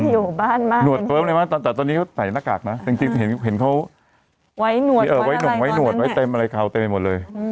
อยู่บ้านบ้านเนี่ยแต่ตอนนี้เขาใส่หน้ากากนะจริงเห็นเขาเออไว้หนวดไว้เต็มอะไรเขาเต็มไปหมดเลย